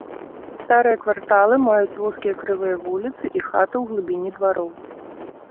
Старыя кварталы маюць вузкія крывыя вуліцы і хаты ў глыбіні двароў.